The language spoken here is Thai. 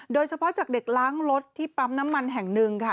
โดยเฉพาะจากเด็กล้างรถที่ปั๊มน้ำมันแห่งหนึ่งค่ะ